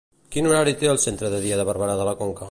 Quin horari té el centre de dia de Barberà de la Conca?